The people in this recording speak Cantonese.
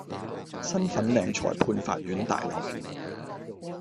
新粉嶺裁判法院大樓